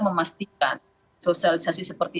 memastikan sosialisasi seperti